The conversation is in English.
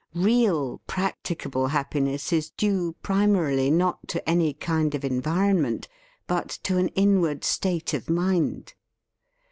Real, practicable happiness is due primarily not to any kind of environment, but to an inward state of mind.